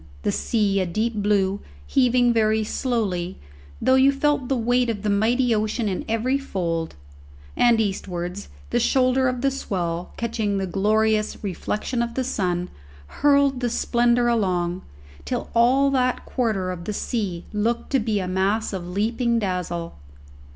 The sea was a deep blue, heaving very slowly, though you felt the weight of the mighty ocean in every fold; and eastwards, the shoulders of the swell, catching the glorious reflection of the sun, hurled the splendour along, till all that quarter of the sea looked to be a mass of leaping dazzle.